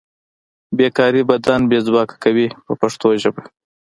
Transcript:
بې کاري بدن بې ځواکه کوي په پښتو ژبه.